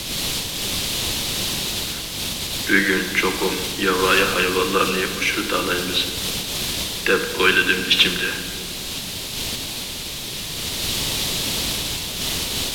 ‹‹ بۈگۈن چوقۇم ياۋايى ھايۋانلارنى ئۇچرىتالايمىز›› دەپ ئويلىدىم ئىچىمدە.